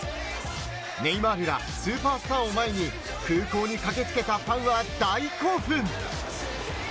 ネイマールやスーパースターを前に空港に駆けつけたファンは大興奮。